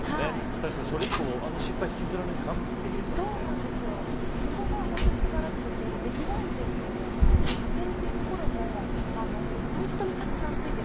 確かにそれ以降、失敗をそこが本当に素晴らしくて出来栄え点の加点というところも本当にたくさんついている。